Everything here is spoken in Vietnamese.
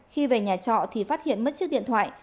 trọ thì phát hiện mất chiếc điện thoại